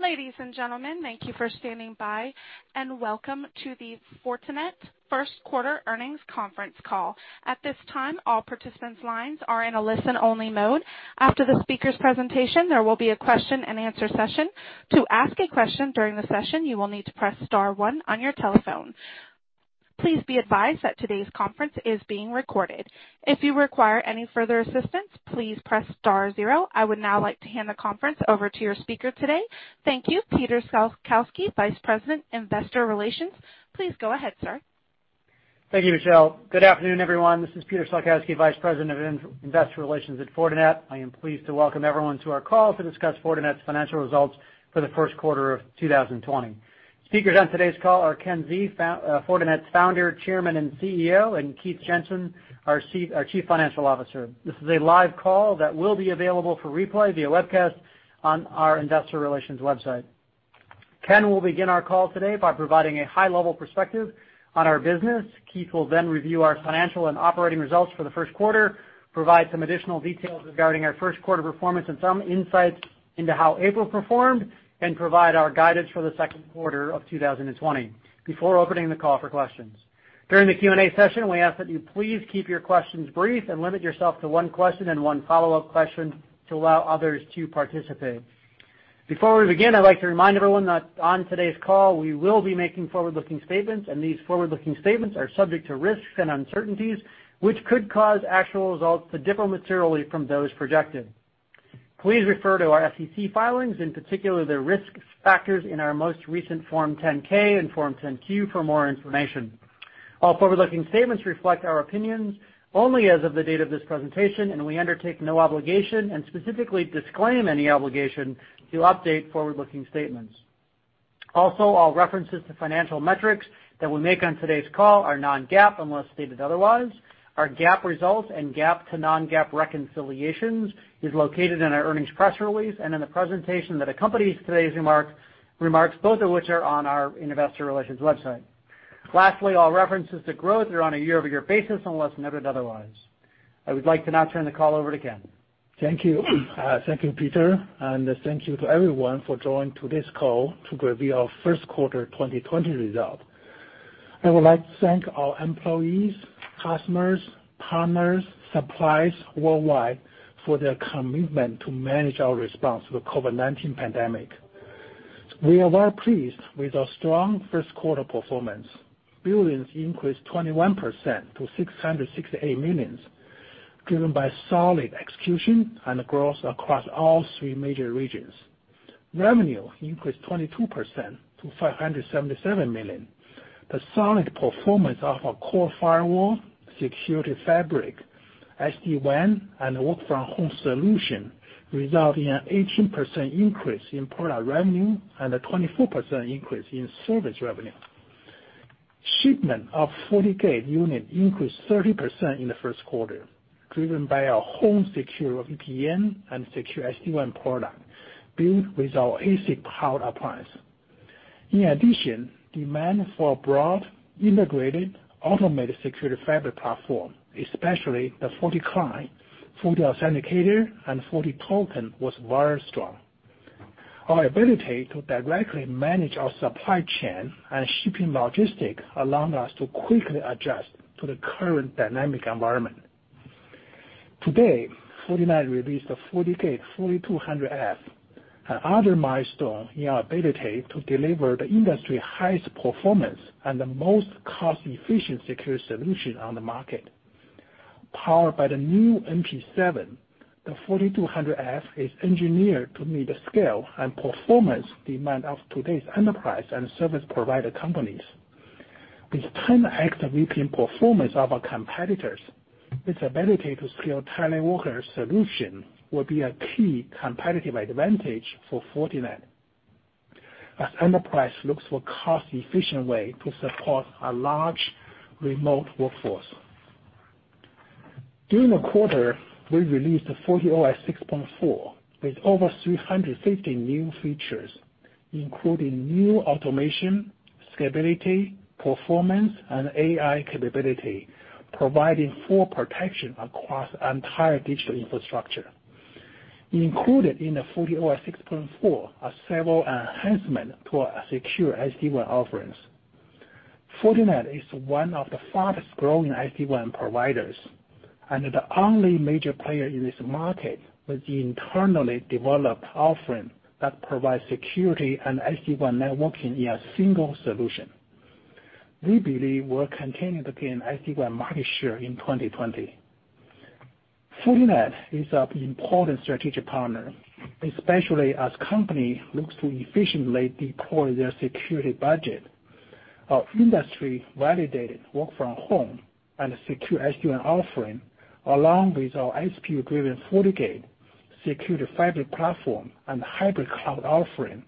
Ladies and gentlemen, thank you for standing by. Welcome to the Fortinet first quarter earnings conference call. At this time, all participants' lines are in a listen-only mode. After the speakers' presentation, there will be a question-and-answer session. To ask a question during the session, you will need to press star one on your telephone. Please be advised that today's conference is being recorded. If you require any further assistance, please press star zero. I would now like to hand the conference over to your speaker today. Thank you, Peter Salkowski, Vice President, Investor Relations. Please go ahead, sir. Thank you, Michelle. Good afternoon, everyone. This is Peter Salkowski, Vice President of Investor Relations at Fortinet. I am pleased to welcome everyone to our call to discuss Fortinet's financial results for the first quarter of 2020. Speakers on today's call are Ken Xie, Fortinet's founder, chairman, and CEO, and Keith Jensen, our Chief Financial Officer. This is a live call that will be available for replay via webcast on our investor relations website. Ken will begin our call today by providing a high-level perspective on our business. Keith will review our financial and operating results for the first quarter, provide some additional details regarding our first quarter performance and some insights into how April performed, and provide our guidance for the second quarter of 2020 before opening the call for questions. During the Q&A session, we ask that you please keep your questions brief and limit yourself to one question and one follow-up question to allow others to participate. Before we begin, I'd like to remind everyone that on today's call, we will be making forward-looking statements. These forward-looking statements are subject to risks and uncertainties, which could cause actual results to differ materially from those projected. Please refer to our SEC filings, in particular, the risk factors in our most recent Form 10-K and Form 10-Q for more information. All forward-looking statements reflect our opinions only as of the date of this presentation. We undertake no obligation and specifically disclaim any obligation to update forward-looking statements. All references to financial metrics that we make on today's call are non-GAAP unless stated otherwise. Our GAAP results and GAAP to non-GAAP reconciliations is located in our earnings press release and in the presentation that accompanies today's remarks, both of which are on our investor relations website. Lastly, all references to growth are on a year-over-year basis unless noted otherwise. I would like to now turn the call over to Ken. Thank you. Thank you, Peter, and thank you to everyone for joining today's call to review our first quarter 2020 result. I would like to thank our employees, customers, partners, suppliers worldwide for their commitment to manage our response to the COVID-19 pandemic. We are well pleased with our strong first quarter performance. Billings increased 21% to $668 million, driven by solid execution and growth across all three major regions. Revenue increased 22% to $577 million. The solid performance of our core firewall, Security Fabric, SD-WAN, and work from home solutions results in an 18% increase in product revenue and a 24% increase in service revenue. Shipment of FortiGate units increased 30% in the first quarter, driven by our home secure VPN and secure SD-WAN products built with our ASIC-powered appliance. In addition, demand for broad, integrated, automated Security Fabric platform, especially the FortiClient, FortiAuthenticator, and FortiToken, was very strong. Our ability to directly manage our supply chain and shipping logistic allowing us to quickly adjust to the current dynamic environment. Today, Fortinet released the FortiGate 4200F, another milestone in our ability to deliver the industry highest performance and the most cost-efficient security solution on the market. Powered by the new NP7, the 4200F is engineered to meet the scale and performance demand of today's enterprise and service provider companies. With 10 extra VPN performance of our competitors, its ability to scale teleworker solution will be a key competitive advantage for Fortinet as enterprise looks for cost-efficient way to support a large remote workforce. During the quarter, we released the FortiOS 6.4 with over 350 new features, including new automation, scalability, performance, and AI capability, providing full protection across the entire digital infrastructure. Included in the FortiOS 6.4 are several enhancements to our secure SD-WAN offerings. Fortinet is one of the fastest-growing SD-WAN providers and the only major player in this market with the internally developed offering that provides security and SD-WAN networking in a single solution. We believe we'll continue to gain SD-WAN market share in 2020. Fortinet is an important strategic partner, especially as companies look to efficiently deploy their security budget. Our industry-validated work from home and secure SD-WAN offering, along with our SD-driven FortiGate Security Fabric platform and hybrid cloud offering,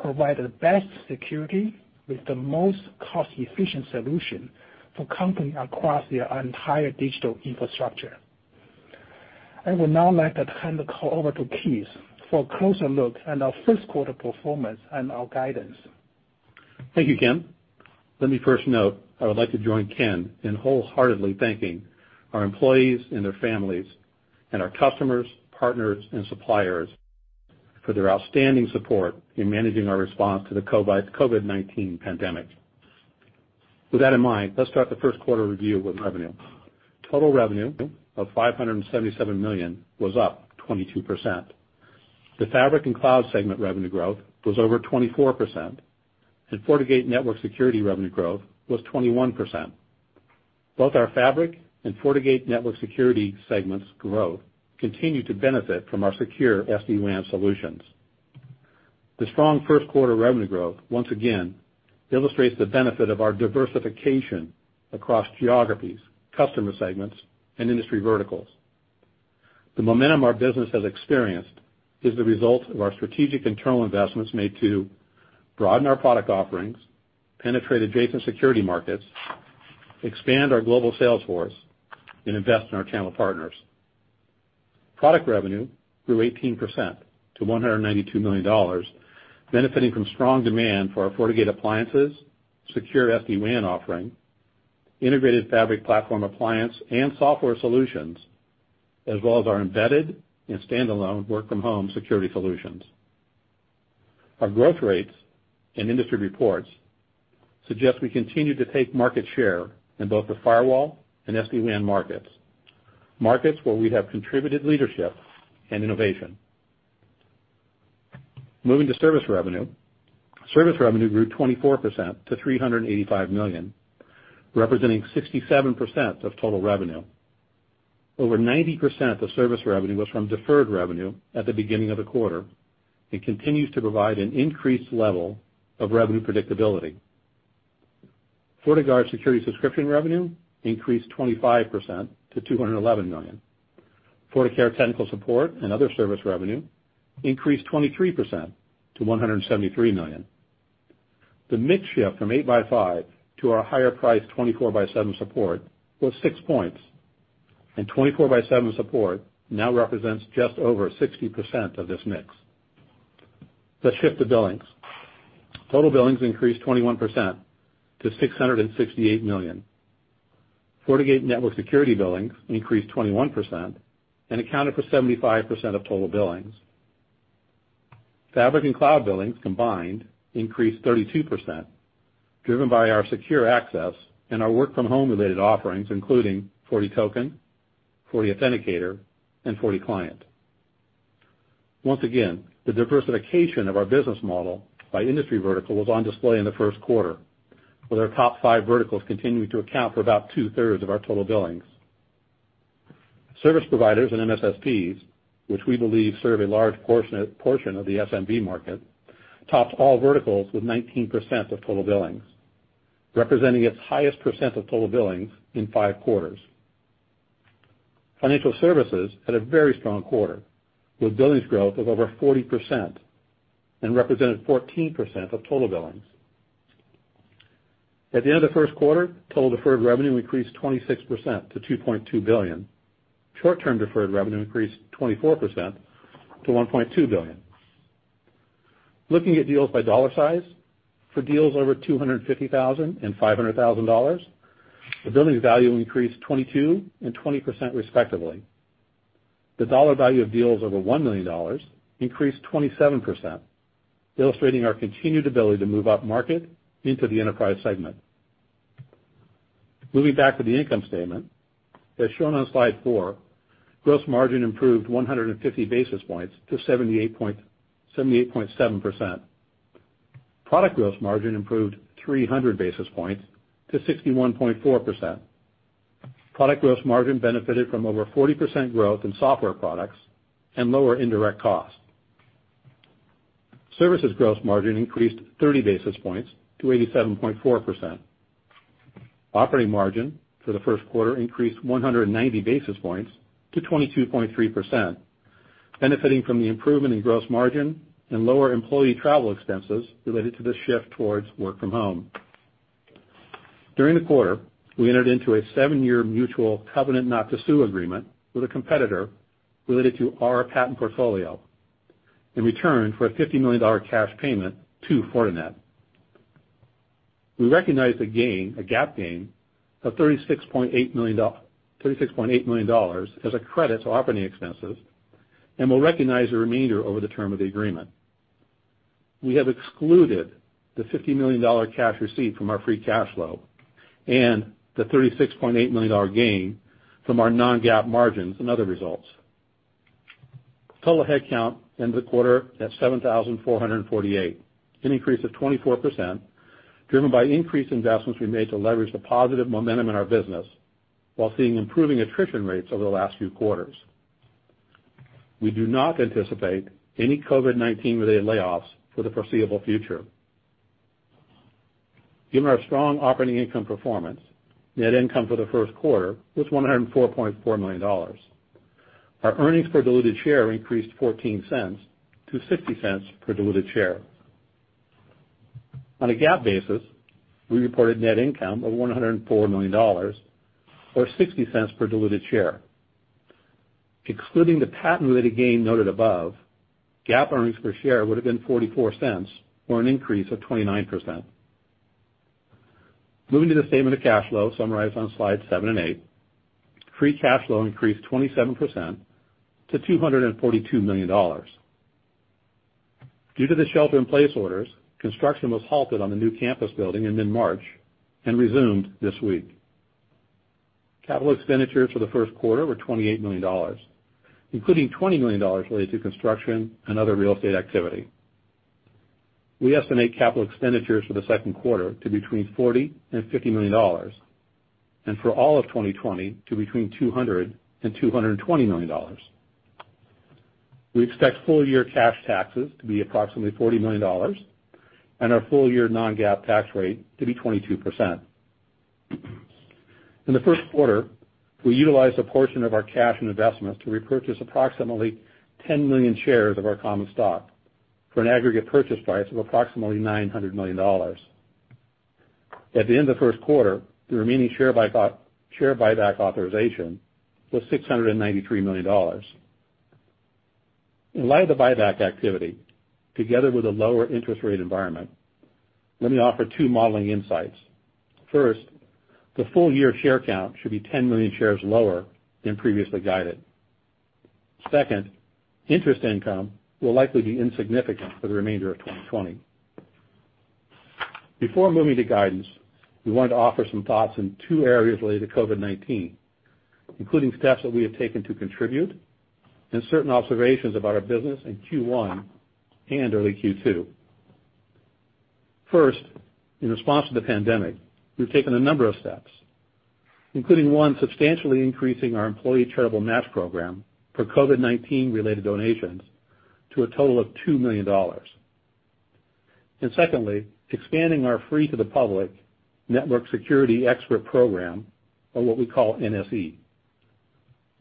provide the best security with the most cost-efficient solution for companies across their entire digital infrastructure. I would now like to hand the call over to Keith for a closer look at our first quarter performance and our guidance. Thank you, Ken. Let me first note, I would like to join Ken in wholeheartedly thanking our employees and their families, and our customers, partners, and suppliers for their outstanding support in managing our response to the COVID-19 pandemic. With that in mind, let's start the first quarter review with revenue. Total revenue of $577 million was up 22%. The Fabric and Cloud segment revenue growth was over 24%, and FortiGate Network Security revenue growth was 21%. Both our Fabric and FortiGate Network Security segments growth continue to benefit from our secure SD-WAN solutions. The strong first-quarter revenue growth once again illustrates the benefit of our diversification across geographies, customer segments, and industry verticals. The momentum our business has experienced is the result of our strategic internal investments made to broaden our product offerings, penetrate adjacent security markets, expand our global sales force, and invest in our channel partners. Product revenue grew 18% to $192 million, benefiting from strong demand for our FortiGate appliances, secure SD-WAN offering, integrated Fabric platform appliance and software solutions, as well as our embedded and standalone work-from-home security solutions. Our growth rates and industry reports suggest we continue to take market share in both the firewall and SD-WAN markets. Markets where we have contributed leadership and innovation. Moving to service revenue. Service revenue grew 24% to $385 million, representing 67% of total revenue. Over 90% of service revenue was from deferred revenue at the beginning of the quarter and continues to provide an increased level of revenue predictability. FortiGuard security subscription revenue increased 25% to $211 million. FortiCare technical support and other service revenue increased 23% to $173 million. The mix shift from 8x5 to our higher priced 24x7 support was six points, and 24x7 support now represents just over 60% of this mix. Let's shift to billings. Total billings increased 21% to $668 million. FortiGate Network Security billings increased 21% and accounted for 75% of total billings. Fabric and Cloud billings combined increased 32%, driven by our secure access and our work-from-home related offerings including FortiToken, FortiAuthenticator, and FortiClient. Once again, the diversification of our business model by industry vertical was on display in the first quarter, with our top five verticals continuing to account for about 2/3 of our total billings. Service providers and MSSPs, which we believe serve a large portion of the SMB market, topped all verticals with 19% of total billings, representing its highest percent of total billings in five quarters. Financial services had a very strong quarter, with billings growth of over 40% and represented 14% of total billings. At the end of the first quarter, total deferred revenue increased 26% to $2.2 billion. Short-term deferred revenue increased 24% to $1.2 billion. Looking at deals by dollar size. For deals over $250,000 and $500,000, the billings value increased 22% and 20% respectively. The dollar value of deals over $1 million increased 27%, illustrating our continued ability to move upmarket into the enterprise segment. Moving back to the income statement. As shown on slide four, gross margin improved 150 basis points to 78.7%. Product gross margin improved 300 basis points to 61.4%. Product gross margin benefited from over 40% growth in software products and lower indirect costs. Services gross margin increased 30 basis points to 87.4%. Operating margin for the first quarter increased 190 basis points to 22.3%, benefiting from the improvement in gross margin and lower employee travel expenses related to the shift towards work from home. During the quarter, we entered into a seven-year mutual covenant not to sue agreement with a competitor related to our patent portfolio in return for a $50 million cash payment to Fortinet. We recognized a gain, a GAAP gain, of $36.8 million as a credit to operating expenses and will recognize the remainder over the term of the agreement. We have excluded the $50 million cash received from our free cash flow and the $36.8 million gain from our non-GAAP margins and other results. Total headcount ended the quarter at 7,448, an increase of 24%, driven by increased investments we made to leverage the positive momentum in our business while seeing improving attrition rates over the last few quarters. We do not anticipate any COVID-19 related layoffs for the foreseeable future. Given our strong operating income performance, net income for the first quarter was $104.4 million. Our earnings per diluted share increased $0.14 to $0.60 per diluted share. On a GAAP basis, we reported net income of $104 million or $0.60 per diluted share. Excluding the patent-related gain noted above, GAAP earnings per share would have been $0.44 or an increase of 29%. Moving to the statement of cash flow summarized on slide seven and eight. Free cash flow increased 27% to $242 million. Due to the shelter in place orders, construction was halted on the new campus building in mid-March and resumed this week. Capital expenditures for the first quarter were $28 million, including $20 million related to construction and other real estate activity. We estimate capital expenditures for the second quarter to between $40 million and $50 million, and for all of 2020 to between $200 million and $220 million. We expect full-year cash taxes to be approximately $40 million and our full-year non-GAAP tax rate to be 22%. In the first quarter, we utilized a portion of our cash and investments to repurchase approximately 10 million shares of our common stock for an aggregate purchase price of approximately $900 million. At the end of the first quarter, the remaining share buyback authorization was $693 million. In light of the buyback activity, together with a lower interest rate environment, let me offer two modeling insights. First, the full-year share count should be 10 million shares lower than previously guided. Second, interest income will likely be insignificant for the remainder of 2020. Before moving to guidance, we wanted to offer some thoughts in two areas related to COVID-19, including steps that we have taken to contribute and certain observations about our business in Q1 and early Q2. First, in response to the pandemic, we've taken a number of steps, including one, substantially increasing our employee charitable match program for COVID-19 related donations to a total of $2 million. Secondly, expanding our free to the public Network Security Expert program or what we call NSE.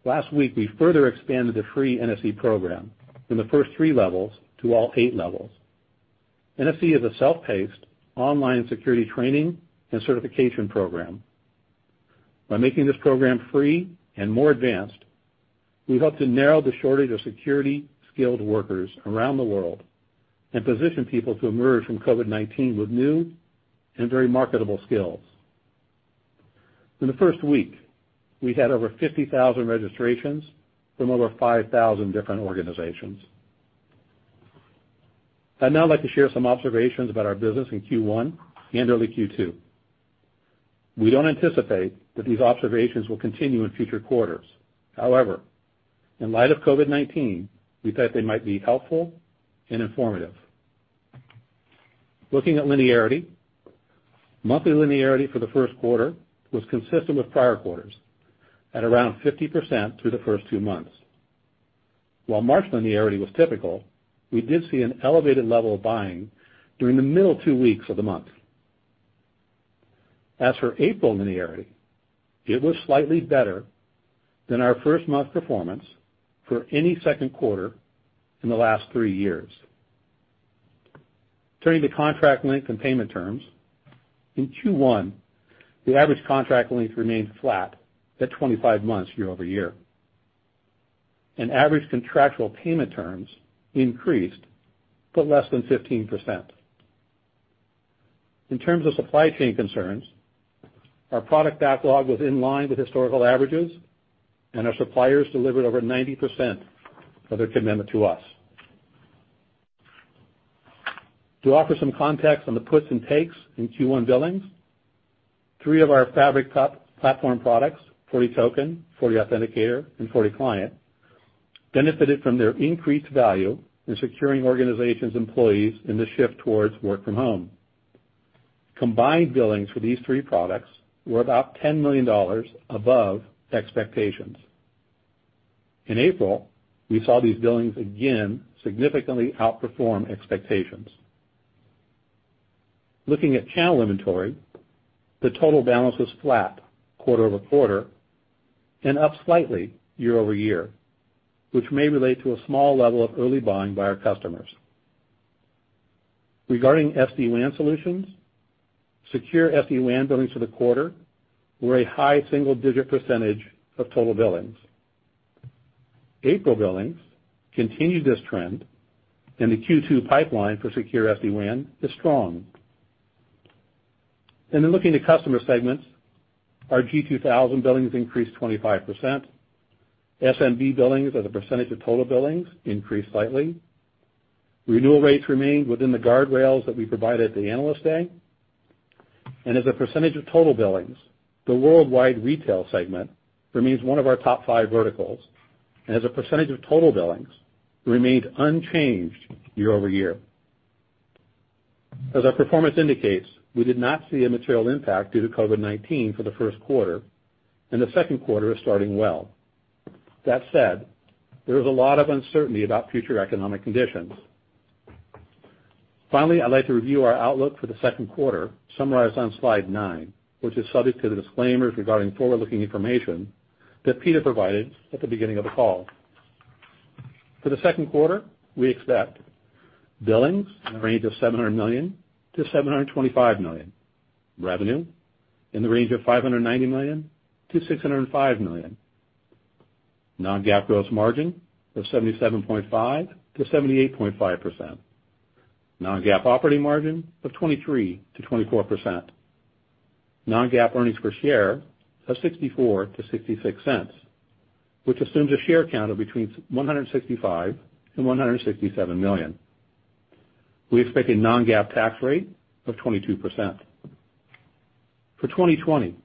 Last week, we further expanded the free NSE program from the first three levels to all eight levels. NSE is a self-paced online security training and certification program. By making this program free and more advanced, we hope to narrow the shortage of security-skilled workers around the world and position people to emerge from COVID-19 with new and very marketable skills. In the first week, we've had over 50,000 registrations from over 5,000 different organizations. I'd now like to share some observations about our business in Q1 and early Q2. We don't anticipate that these observations will continue on future quarters. In light of COVID-19, we thought they might be helpful and informative. Looking at linearity, monthly linearity for the first quarter was consistent with prior quarters at around 50% through the first two months. While March linearity was typical, we did see an elevated level of buying during the middle two weeks of the month. As for April linearity, it was slightly better than our first-month performance for any second quarter in the last three years. Turning to contract length and payment terms, in Q1, the average contract length remained flat at 25 months year-over-year. Average contractual payment terms increased, but less than 15%. In terms of supply chain concerns, our product backlog was in line with historical averages, and our suppliers delivered over 90% of their commitment to us. To offer some context on the puts and takes in Q1 billings, three of our Fabric platform products, FortiToken, FortiAuthenticator, and FortiClient, benefited from their increased value in securing organizations' employees in the shift towards work from home. Combined billings for these three products were about $10 million above expectations. In April, we saw these billings again significantly outperform expectations. Looking at channel inventory, the total balance was flat quarter-over-quarter and up slightly year-over-year, which may relate to a small level of early buying by our customers. Regarding SD-WAN solutions, secure SD-WAN billings for the quarter were a high single-digit percentage of total billings. April billings continued this trend. The Q2 pipeline for secure SD-WAN is strong. Looking to customer segments, our G2000 billings increased 25%, SMB billings as a percentage of total billings increased slightly. Renewal rates remained within the guardrails that we provided at the Analyst Day. As a percentage of total billings, the worldwide retail segment remains one of our top five verticals, and as a percentage of total billings remained unchanged year-over-year. As our performance indicates, we did not see a material impact due to COVID-19 for the first quarter, and the second quarter is starting well. That said, there is a lot of uncertainty about future economic conditions. I'd like to review our outlook for the second quarter, summarized on slide nine, which is subject to the disclaimers regarding forward-looking information that Peter provided at the beginning of the call. For the second quarter, we expect billings in the range of $700 million-$725 million. Revenue in the range of $590 million-$605 million. Non-GAAP gross margin of 77.5%-78.5%. Non-GAAP operating margin of 23%-24%. Non-GAAP earnings per share of $0.64-$0.66, which assumes a share count of between 165 million and 167 million. We expect a non-GAAP tax rate of 22%. For 2020,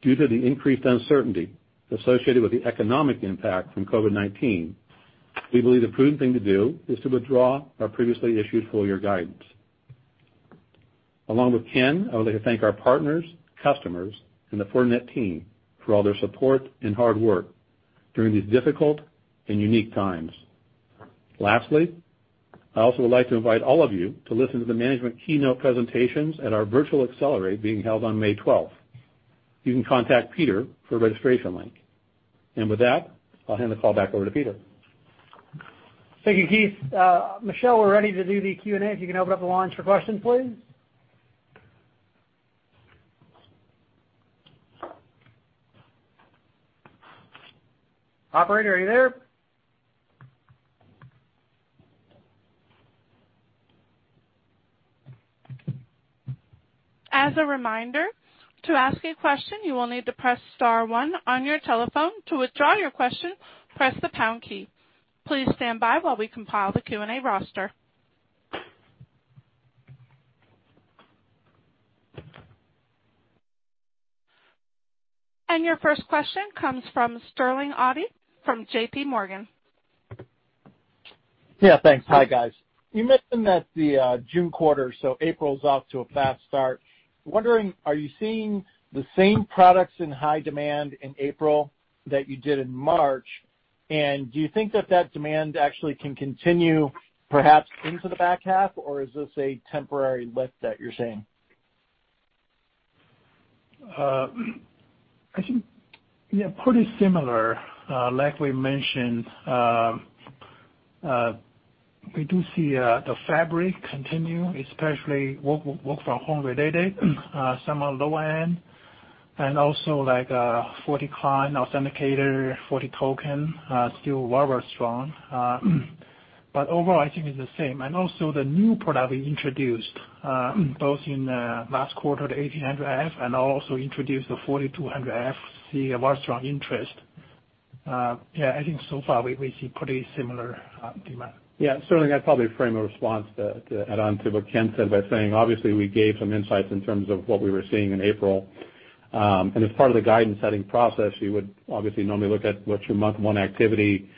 due to the increased uncertainty associated with the economic impact from COVID-19, we believe the prudent thing to do is to withdraw our previously issued full-year guidance. Along with Ken, I would like to thank our partners, customers, and the Fortinet team for all their support and hard work during these difficult and unique times. Lastly, I also would like to invite all of you to listen to the management keynote presentations at our virtual Accelerate being held on May 12th. You can contact Peter for a registration link. With that, I'll hand the call back over to Peter. Thank you, Keith. Michelle, we're ready to do the Q&A. If you can open up the line for questions, please. Operator, are you there? As a reminder, to ask a question, you will need to press star one on your telephone. To withdraw your question, press the pound key. Please stand by while we compile the Q&A roster. Your first question comes from Sterling Auty from JPMorgan. Yeah, thanks. Hi, guys. You mentioned that the June quarter, so April's off to a fast start. Wondering, are you seeing the same products in high demand in April that you did in March, and do you think that that demand actually can continue perhaps into the back half, or is this a temporary lift that you're seeing? I think, yeah, pretty similar. Like we mentioned, we do see the Fabric continue, especially work-from-home related, some are low end, and also like FortiClient, Authenticator, FortiToken are still very strong. Overall, I think it's the same. Also the new product we introduced, both in the last quarter, the 1800F, and also introduced the 4200F, see a very strong interest. Yeah, I think so far we see pretty similar demand. Yeah. Sterling, I'd probably frame a response to add on to what Ken said by saying obviously we gave some insights in terms of what we were seeing in April. As part of the guidance setting process, you would obviously normally look at what's your month one activity,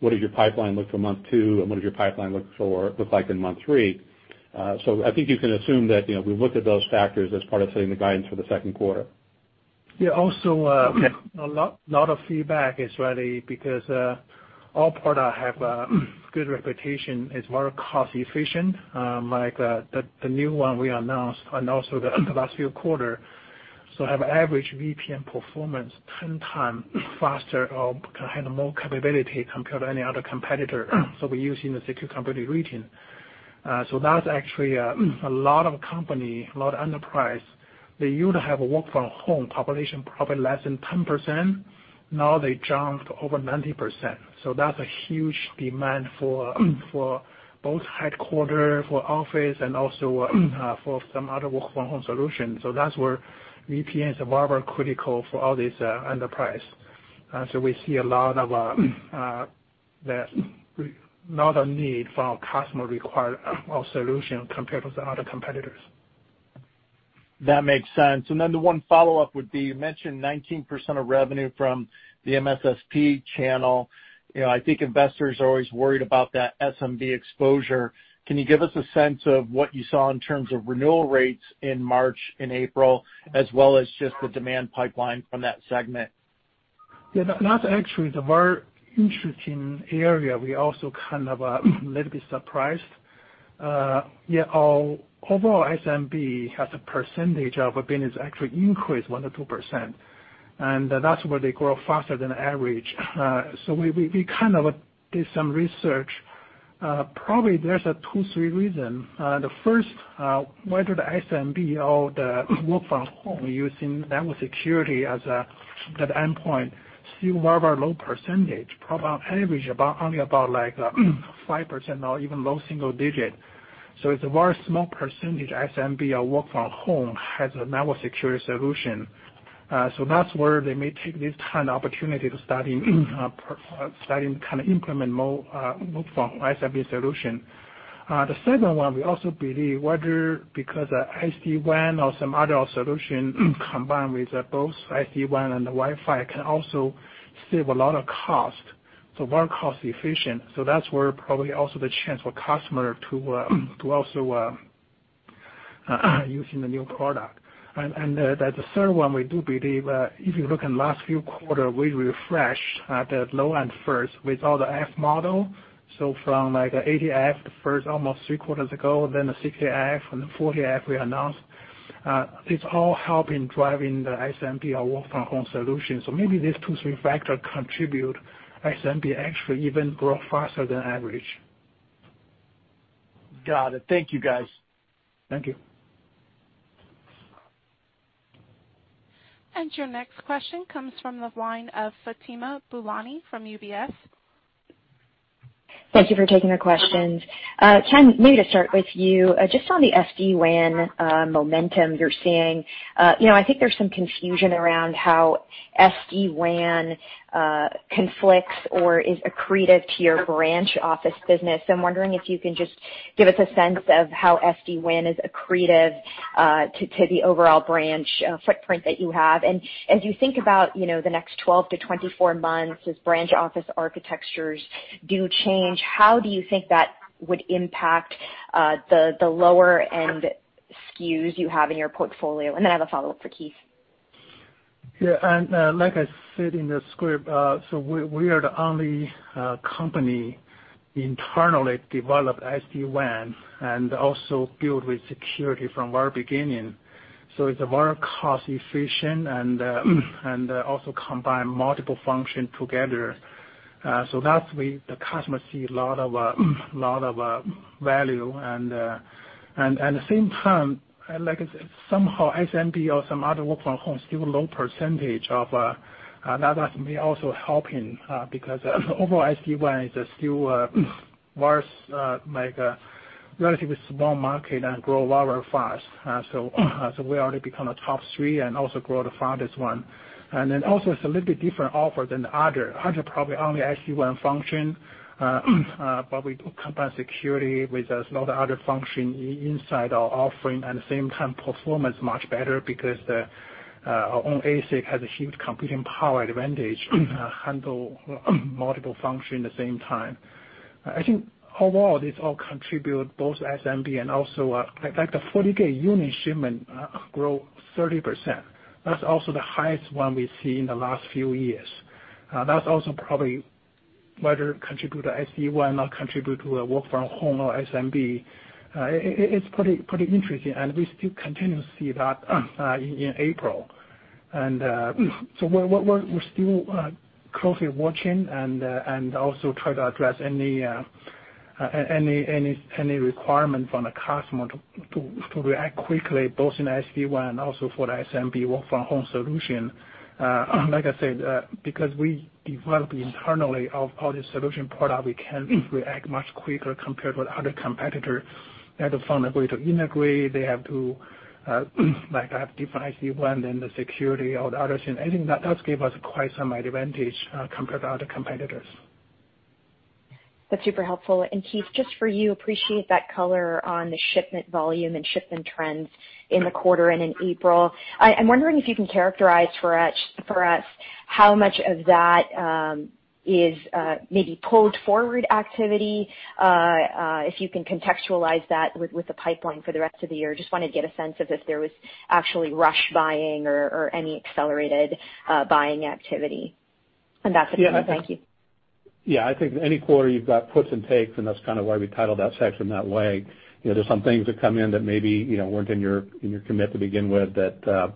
what does your pipeline look for month two, and what does your pipeline look like in month three. I think you can assume that we looked at those factors as part of setting the guidance for the second quarter. Yeah. Also, a lot of feedback is really because our product have a good reputation. It's very cost efficient, like the new one we announced and also the last few quarter, have average VPN performance 10x faster or can handle more capability compared to any other competitor. We use in the Security Fabric region. That's actually a lot of company, a lot of enterprise, they used to have a work-from-home population, probably less than 10%. Now they jumped over 90%. That's a huge demand for both headquarter, for office, and also for some other work-from-home solutions. That's where VPN is very critical for all this enterprise. We see a lot of need for our customer require our solution compared with the other competitors. That makes sense. The one follow-up would be, you mentioned 19% of revenue from the MSSP channel. I think investors are always worried about that SMB exposure. Can you give us a sense of what you saw in terms of renewal rates in March and April, as well as just the demand pipeline from that segment? Yeah, that's actually the very interesting area. We also kind of a little bit surprised. Yeah, our overall SMB as a percentage of our business actually increased 1%-2%, that's where they grow faster than average. We kind of did some research. Probably there's two, three reasons. The first, whether the SMB or the work-from-home using network security as the endpoint, still very low percentage, probably on average only about 5% or even low single digit. It's a very small percentage, SMB or work-from-home has a network security solution. That's where they may take this time, opportunity to start kind of implement more work-from-home SMB solution. The second one, we also believe whether because SD-WAN or some other solution combined with both SD-WAN and Wi-Fi can also save a lot of cost, very cost efficient. That's where probably also the chance for customer to also using the new product. The third one, we do believe if you look in last few quarter, we refreshed the low end first with all the F model. From like 80F the first almost three quarters ago, then the 60F and the 40F we announced, it's all helping driving the SMB or work-from-home solution. Maybe these two, three factor contribute SMB actually even grow faster than average. Got it. Thank you, guys. Thank you. Your next question comes from the line of Fatima Boolani from UBS. Thank you for taking the questions. Ken, maybe to start with you, just on the SD-WAN momentum you're seeing. I think there's some confusion around how SD-WAN conflicts or is accretive to your branch office business. I'm wondering if you can just give us a sense of how SD-WAN is accretive to the overall branch footprint that you have. As you think about the next 12-24 months, as branch office architectures do change, how do you think that would impact the lower-end SKUs you have in your portfolio? I have a follow-up for Keith. Like I said in the script, we are the only company internally develop SD-WAN and also build with security from our beginning. It's very cost efficient and also combine multiple function together. That's where the customer see a lot of value. At the same time, like I said, somehow SMB or some other work from home. That may also helping, because overall SD-WAN is still relatively small market and grow very fast. We already become a top three and also grow the fastest one. Also is a little bit different offer than the other. Other probably only SD-WAN function, but we do combine security with those other function inside our offering, and the same time performance much better because our own ASIC has a huge computing power advantage to handle multiple function the same time. I think overall, this all contribute both SMB. The FortiGate unit shipment grow 30%. That's also the highest one we see in the last few years. That's also probably whether contribute to SD-WAN or contribute to a work from home or SMB. It's pretty interesting. We still continue to see that in April. We're still closely watching and also try to address any requirement from the customer to react quickly, both in SD-WAN and also for the SMB work from home solution. Like I said, because we develop internally of all the solution product, we can react much quicker compared with other competitor. They have to find a way to integrate. They have to have different SD-WAN than the security or the other thing. I think that does give us quite some advantage compared to other competitors. That's super helpful. Keith, just for you, appreciate that color on the shipment volume and shipment trends in the quarter and in April. I'm wondering if you can characterize for us how much of that is maybe pulled forward activity, if you can contextualize that with the pipeline for the rest of the year. Just want to get a sense of if there was actually rush buying or any accelerated buying activity. That's it for me. Thank you. Yeah, I think any quarter you've got puts and takes, and that's kind of why we titled that section that way. There's some things that come in that maybe weren't in your commit to begin with that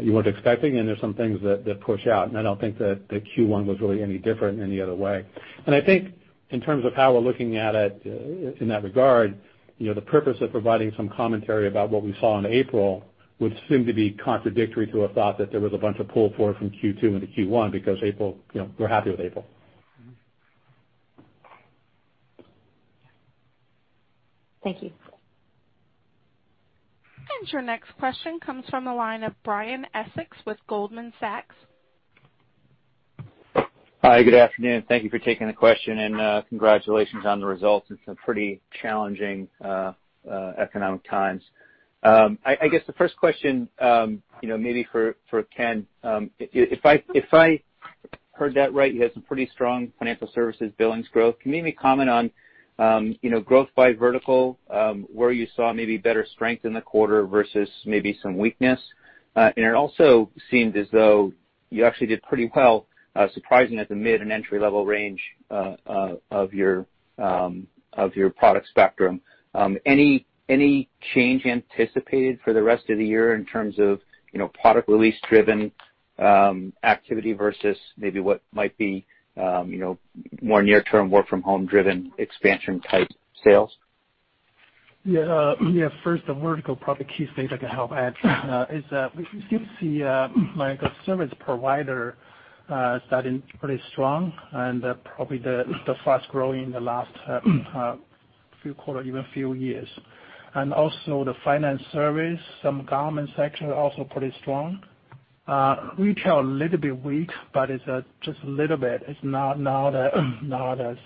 you weren't expecting, and there's some things that push out. I don't think that the Q1 was really any different any other way. I think in terms of how we're looking at it in that regard, the purpose of providing some commentary about what we saw in April would seem to be contradictory to a thought that there was a bunch of pull forward from Q2 into Q1 because we're happy with April. Thank you. Your next question comes from the line of Brian Essex with Goldman Sachs. Hi, good afternoon. Thank you for taking the question and congratulations on the results in some pretty challenging economic times. I guess the first question maybe for Ken, if I heard that right, you had some pretty strong financial services billings growth. Can you maybe comment on growth by vertical, where you saw maybe better strength in the quarter versus maybe some weakness? It also seemed as though you actually did pretty well, surprising at the mid and entry level range of your product spectrum. Any change anticipated for the rest of the year in terms of product release driven activity versus maybe what might be more near term work from home driven expansion type sales? First, the vertical product Keith state I can help add, is that we still see service provider starting pretty strong and probably the fast growing the last few quarter, even few years. Also the finance service, some government sector also pretty strong. Retail a little bit weak, it's just a little bit. It's not as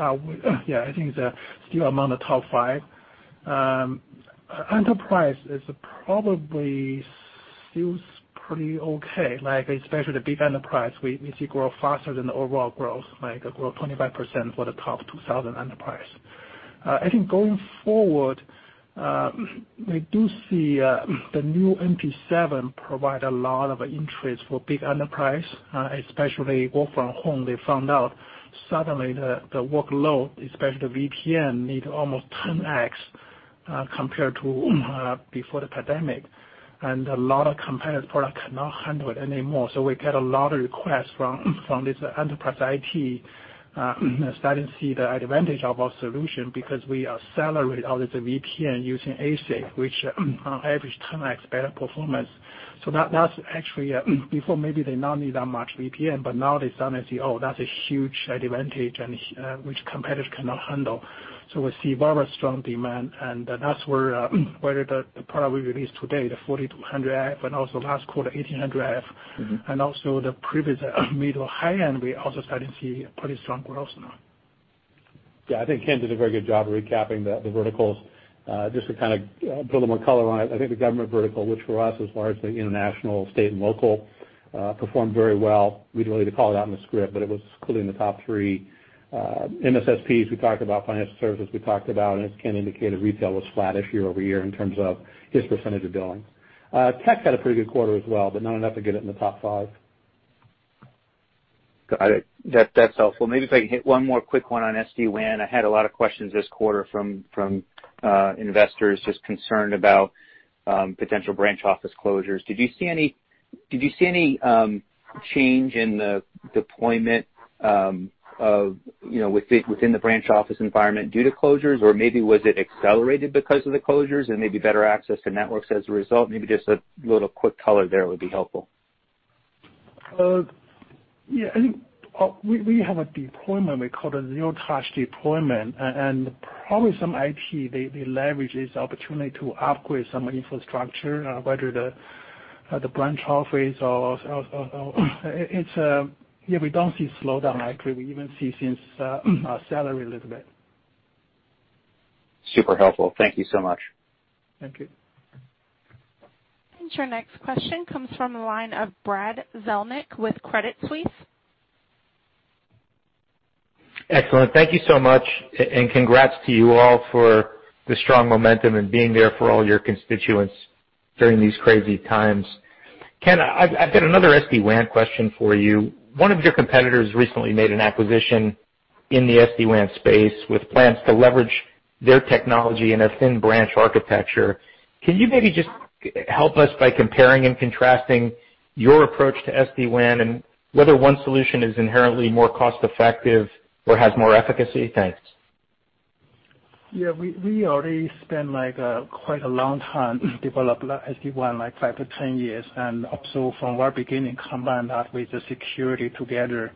I think it's still among the top five. Enterprise is probably still pretty okay, especially the big enterprise. We see grow faster than the overall growth, like grow 25% for the top 2,000 enterprise. I think going forward, we do see the new NP7 provide a lot of interest for big enterprise, especially work from home. They found out suddenly the workload, especially the VPN, need almost 10x compared to before the pandemic. A lot of competitor product cannot handle it anymore. We get a lot of requests from this enterprise IT starting to see the advantage of our solution because we accelerate all of the VPN using ASIC, which on average, 10x better performance. That's actually, before maybe they not need that much VPN, but now they suddenly see, oh, that's a huge advantage, and which competitors cannot handle. We see very strong demand, and that's where the product we released today, the 4200F, and also last quarter, 1800F. Also the previous middle high-end, we're also starting to see pretty strong growth now. Yeah, I think Ken did a very good job of recapping the verticals. Just to put a little more color on it, I think the government vertical, which for us, as far as the international, state, and local, performed very well. We didn't really call it out in the script. It was clearly in the top three MSSPs. We talked about financial services, we talked about, and as Ken indicated, retail was flat-ish year-over-year in terms of his percentage of billing. Tech had a pretty good quarter as well, but not enough to get it in the top five. Got it. That's helpful. Maybe if I can hit one more quick one on SD-WAN. I had a lot of questions this quarter from investors just concerned about potential branch office closures. Did you see any change in the deployment within the branch office environment due to closures? Or maybe was it accelerated because of the closures and maybe better access to networks as a result? Maybe just a little quick color there would be helpful. Yeah. I think we have a deployment we call a zero-touch deployment. Probably some IT, they leverage this opportunity to upgrade some infrastructure. We don't see a slowdown, actually. We even see things accelerate a little bit. Super helpful. Thank you so much. Thank you. Your next question comes from the line of Brad Zelnick with Credit Suisse. Excellent. Thank you so much, and congrats to you all for the strong momentum and being there for all your constituents during these crazy times. Ken, I've got another SD-WAN question for you. One of your competitors recently made an acquisition in the SD-WAN space with plans to leverage their technology in a thin branch architecture. Can you maybe just help us by comparing and contrasting your approach to SD-WAN and whether one solution is inherently more cost-effective or has more efficacy? Thanks. Yeah. We already spent quite a long time to develop SD-WAN, 5-10 years. Also from our beginning, combined that with the security together,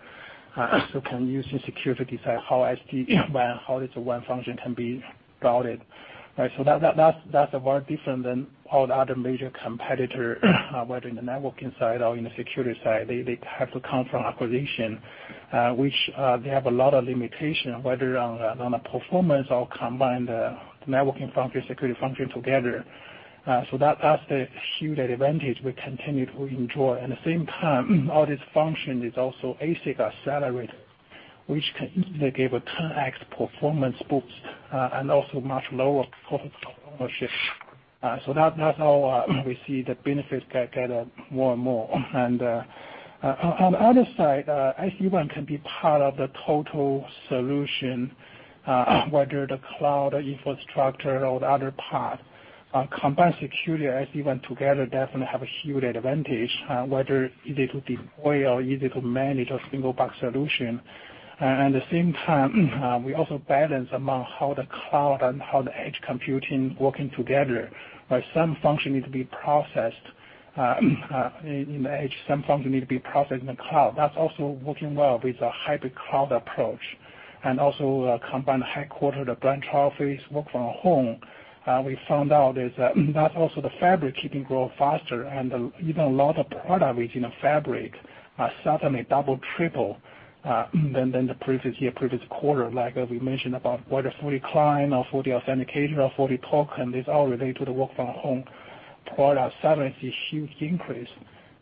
so can use the security side, how SD-WAN, how this WAN function can be routed. Right? That's very different than all the other major competitor, whether in the networking side or in the security side. They have to come from acquisition, which they have a lot of limitation, whether on the performance or combine the networking function, security function together. That's the huge advantage we continue to enjoy. At the same time, all this function is also ASIC accelerated, which can easily give a 10x performance boost, and also much lower total cost of ownership. That's how we see the benefits get more and more. On the other side, SD-WAN can be part of the total solution, whether the cloud infrastructure or the other part. Combined security SD-WAN together definitely have a huge advantage, whether easy to deploy or easy to manage a single box solution. At the same time, we also balance among how the cloud and how the edge computing working together. While some function need to be processed in the edge, some function need to be processed in the cloud. That's also working well with the hybrid cloud approach. Also combine the headquarter, the branch office, work from home, we found out is that's also the Fabric keeping growth faster, and even a lot of product within a Fabric suddenly double, triple than the previous year, previous quarter. Like we mentioned about whether FortiClient or FortiAuthenticator or FortiToken, it's all related to the work from home product. Suddenly see huge increase.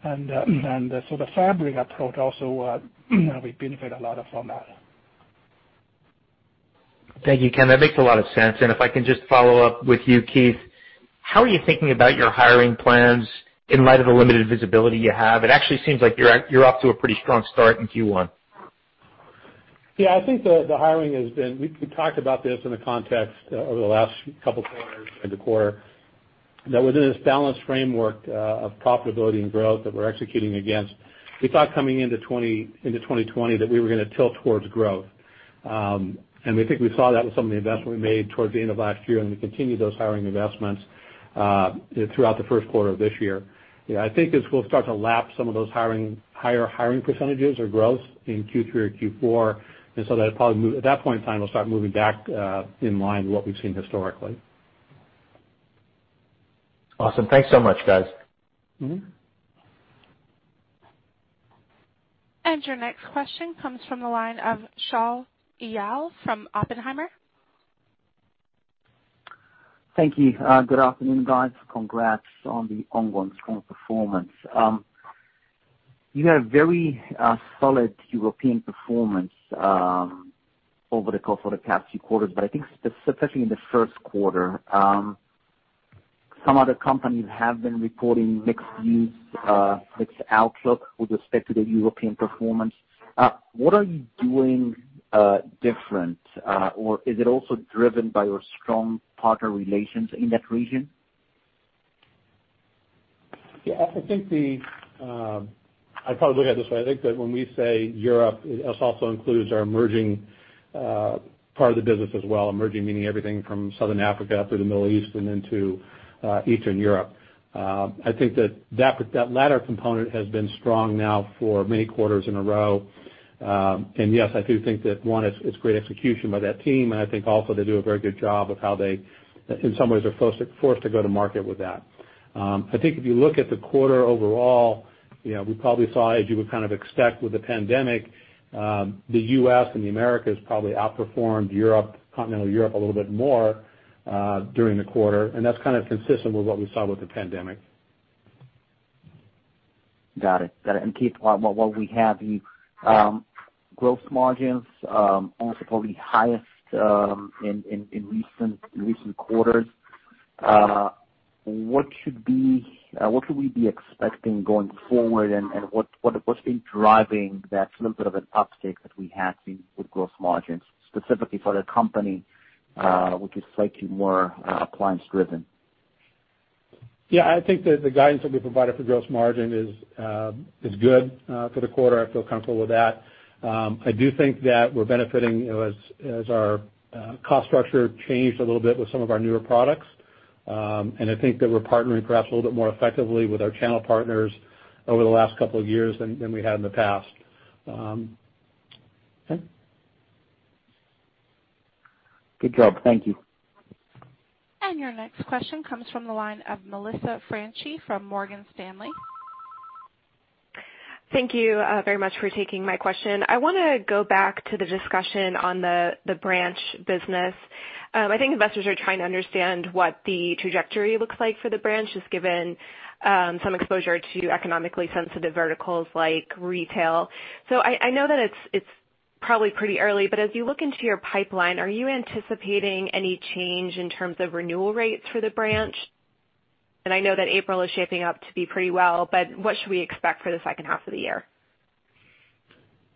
The Fabric approach also, we benefit a lot from that. Thank you, Ken. That makes a lot of sense. If I can just follow up with you, Keith, how are you thinking about your hiring plans in light of the limited visibility you have? It actually seems like you're off to a pretty strong start in Q1. I think the hiring has been We talked about this in the context over the last couple of quarters, end of quarter, that within this balanced framework of profitability and growth that we're executing against, we thought coming into 2020 that we were going to tilt towards growth. I think we saw that with some of the investment we made towards the end of last year, and we continued those hiring investments throughout the first quarter of this year. I think as we'll start to lap some of those higher hiring percentages or growth in Q3 or Q4, at that point in time, we'll start moving back in line with what we've seen historically. Awesome. Thanks so much, guys. Your next question comes from the line of Shaul Eyal from Oppenheimer. Thank you. Good afternoon, guys. Congrats on the ongoing strong performance. You had a very solid European performance over the course of the past few quarters, but I think especially in the first quarter. Some other companies have been reporting mixed views, mixed outlook with respect to the European performance. What are you doing different? Or is it also driven by your strong partner relations in that region? Yeah, I probably look at it this way. I think that when we say Europe, this also includes our emerging part of the business as well. Emerging meaning everything from Southern Africa through the Middle East and into Eastern Europe. I think that latter component has been strong now for many quarters in a row. Yes, I do think that, one, it's great execution by that team, and I think also they do a very good job of how they, in some ways, are forced to go to market with that. I think if you look at the quarter overall, we probably saw, as you would kind of expect with the pandemic, the U.S. and the Americas probably outperformed Europe, continental Europe, a little bit more, during the quarter. That's kind of consistent with what we saw with the pandemic. Got it. Keith, while we have you, gross margins, also probably highest in recent quarters. What should we be expecting going forward, and what's been driving that little bit of an uptick that we have seen with gross margins, specifically for the company, which is slightly more appliance driven? Yeah, I think that the guidance that we provided for gross margin is good for the quarter. I feel comfortable with that. I do think that we're benefiting as our cost structure changed a little bit with some of our newer products. I think that we're partnering perhaps a little bit more effectively with our channel partners over the last couple of years than we have in the past. Okay. Good job. Thank you. Your next question comes from the line of Melissa Franchi from Morgan Stanley. Thank you very much for taking my question. I want to go back to the discussion on the branch business. I think investors are trying to understand what the trajectory looks like for the branch, just given some exposure to economically sensitive verticals like retail. I know that it's probably pretty early, but as you look into your pipeline, are you anticipating any change in terms of renewal rates for the branch? I know that April is shaping up to be pretty well, but what should we expect for the second half of the year?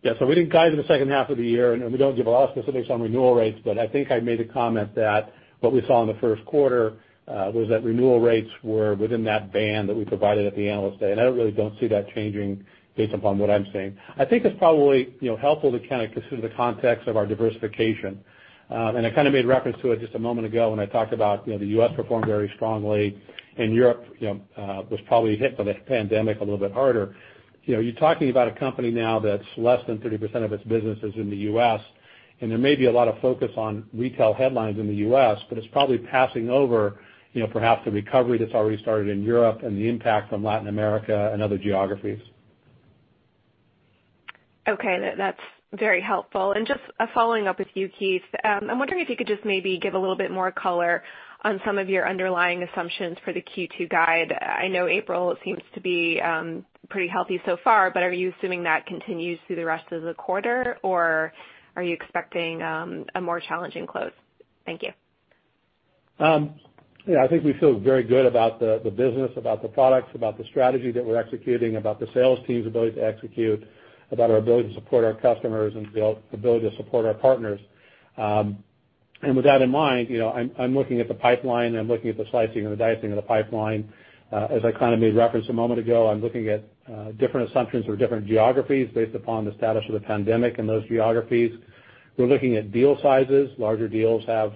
Yeah. We didn't guide in the second half of the year, and we don't give a lot of specifics on renewal rates, but I think I made a comment that what we saw in the first quarter, was that renewal rates were within that band that we provided at the Analyst Day, and I really don't see that changing based upon what I'm seeing. I think it's probably helpful to kind of consider the context of our diversification. I kind of made reference to it just a moment ago when I talked about the U.S. performed very strongly and Europe was probably hit by the pandemic a little bit harder. You're talking about a company now that's less than 30% of its business is in the U.S., and there may be a lot of focus on retail headlines in the U.S., but it's probably passing over perhaps the recovery that's already started in Europe and the impact from Latin America and other geographies. Okay. That's very helpful. Just following up with you, Keith, I'm wondering if you could just maybe give a little bit more color on some of your underlying assumptions for the Q2 guide? I know April seems to be pretty healthy so far, but are you assuming that continues through the rest of the quarter, or are you expecting a more challenging close? Thank you. Yeah. I think we feel very good about the business, about the products, about the strategy that we're executing, about the sales team's ability to execute, about our ability to support our customers, and the ability to support our partners. With that in mind, I'm looking at the pipeline, I'm looking at the slicing and the dicing of the pipeline. As I kind of made reference a moment ago, I'm looking at different assumptions for different geographies based upon the status of the pandemic in those geographies. We're looking at deal sizes. Larger deals have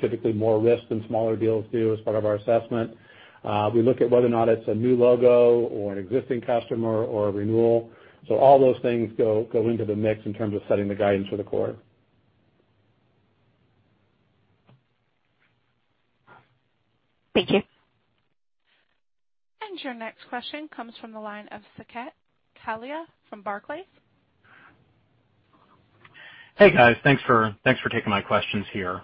typically more risk than smaller deals do as part of our assessment. We look at whether or not it's a new logo or an existing customer or a renewal. All those things go into the mix in terms of setting the guidance for the quarter. Thank you. Your next question comes from the line of Saket Kalia from Barclays. Hey, guys. Thanks for taking my questions here.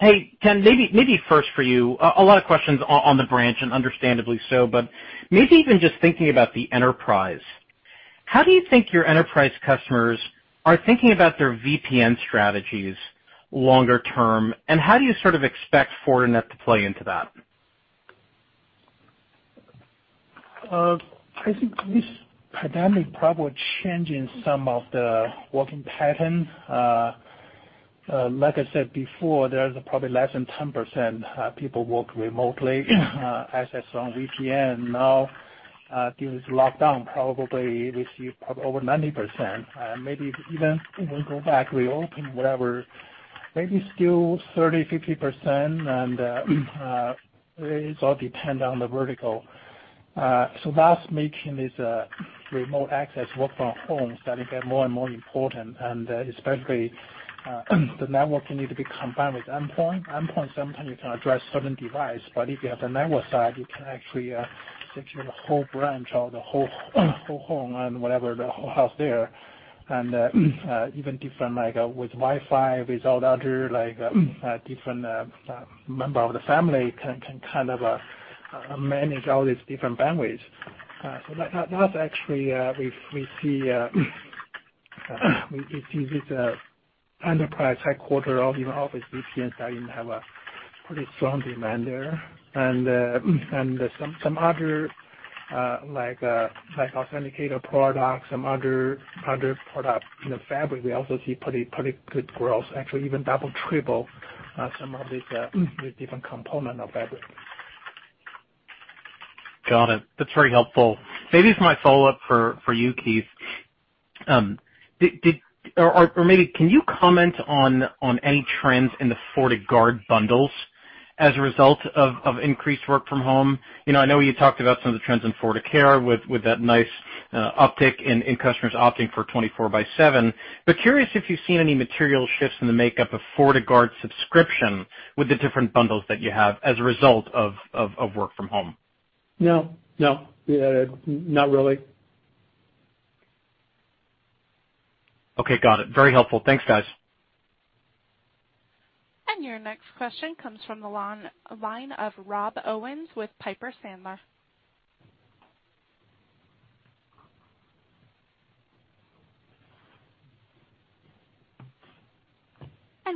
Hey, Ken, maybe first for you, a lot of questions on the branch, and understandably so, but maybe even just thinking about the enterprise. How do you think your enterprise customers are thinking about their VPN strategies longer term, and how do you sort of expect Fortinet to play into that? I think this pandemic probably changing some of the working pattern. Like I said before, there's probably less than 10% people work remotely, access on VPN. During this lockdown, we see probably over 90%, maybe even go back, reopen, whatever, maybe still 30%-50%, and it all depend on the vertical. That's making this remote access work from home starting to get more and more important, and especially the networking need to be combined with endpoint. Endpoint, sometimes you can address certain device, but if you have the network side, you can actually secure the whole branch or the whole home and whatever, the whole house there, and even different, like with Wi-Fi, without other, different member of the family can kind of manage all these different bandwidths. That's actually, we see We see this enterprise headquarter office VPN side have a pretty strong demand there. Some other, like Authenticator products, some other products in the Fabric, we also see pretty good growth, actually even double, triple some of these different component of Fabric. Got it. That's very helpful. Maybe as my follow-up for you, Keith. Can you comment on any trends in the FortiGuard bundles as a result of increased work from home? I know you talked about some of the trends in FortiCare with that nice uptick in customers opting for 24x7. Curious if you've seen any material shifts in the makeup of FortiGuard subscription with the different bundles that you have as a result of work from home. No. Not really. Okay. Got it. Very helpful. Thanks, guys. Your next question comes from the line of Rob Owens with Piper Sandler.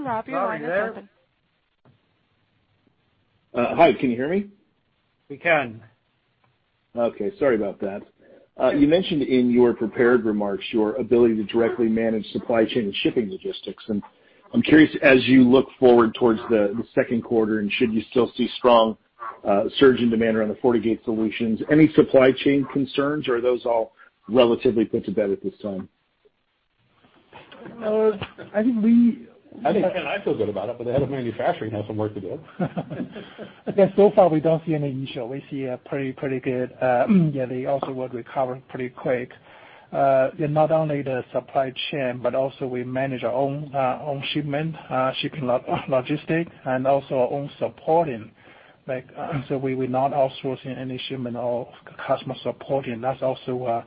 Rob, your line is open. Hi, can you hear me? We can. Okay, sorry about that. You mentioned in your prepared remarks your ability to directly manage supply chain and shipping logistics. I'm curious, as you look forward towards the second quarter, should you still see strong surge in demand around the FortiGate solutions, any supply chain concerns, or are those all relatively put to bed at this time? I think. I think I feel good about it, but the head of manufacturing has some work to do. Yeah, so far we don't see any issue. We see a pretty good, yeah, they also would recover pretty quick. Not only the supply chain, but also we manage our own shipment, shipping logistics, and also our own supporting. We're not outsourcing any shipment or customer supporting. That's also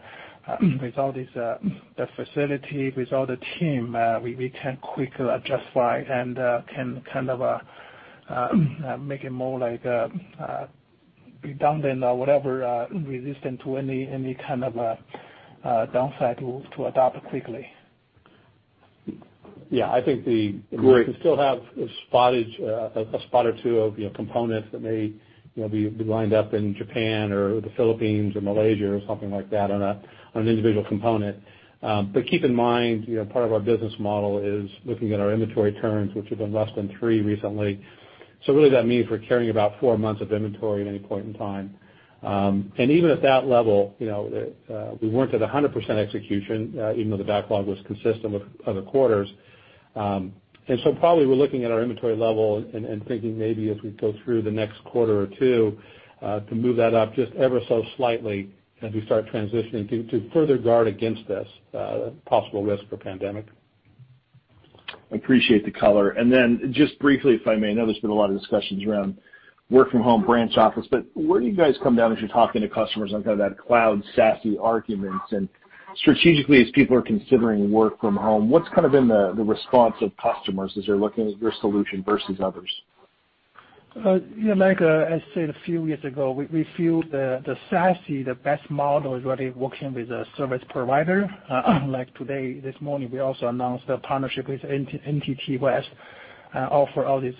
with all this, the facility, with all the team, we can quickly adjust wide and can kind of make it more like redundant or whatever, resistant to any kind of downside to adapt quickly. Yeah, I think we can still have a spot or two of components that may be lined up in Japan or the Philippines or Malaysia or something like that on an individual component. Keep in mind, part of our business model is looking at our inventory turns, which have been less than three recently. Really that means we're carrying about four months of inventory at any point in time. Even at that level, we weren't at 100% execution, even though the backlog was consistent with other quarters. Probably we're looking at our inventory level and thinking maybe as we go through the next quarter or two to move that up just ever so slightly as we start transitioning to further guard against this possible risk for pandemic. I appreciate the color. Just briefly, if I may, I know there's been a lot of discussions around work from home branch office, but where do you guys come down as you're talking to customers on kind of that cloud SASE arguments? Strategically, as people are considering work from home, what's kind of been the response of customers as they're looking at your solution versus others? As I said a few years ago, we feel the SASE, the best model is really working with a service provider. Like today, this morning, we also announced a partnership with NTT West offer all this,